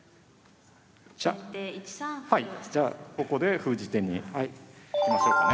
じゃあここで封じ手にいきましょうかね。